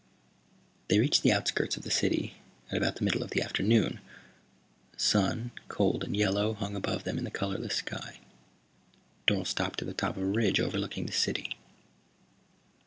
They reached the outskirts of the city at about the middle of the afternoon. The sun, cold and yellow, hung above them in the colorless sky. Dorle stopped at the top of a ridge overlooking the city.